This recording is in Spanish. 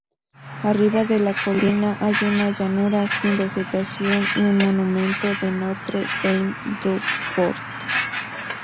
Arriba de la colina hay una llanura sin vegetación, y un monumento a Notre-Dame-du-Port.